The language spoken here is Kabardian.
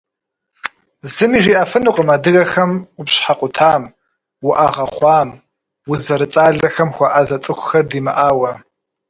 Зыми жиӏэфынукъым адыгэхэм къупщхьэ къутам, уӏэгъэ хъуам, уз зэрыцӏалэхэм хуэӏэзэ цӏыхухэр димыӏауэ.